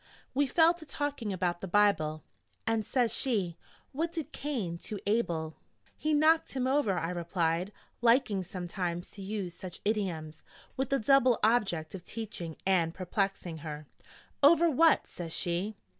We fell to talking about the Bible. And says she: 'What did Cain to Abel?' 'He knocked him over,' I replied, liking sometimes to use such idioms, with the double object of teaching and perplexing her. 'Over what?' says she.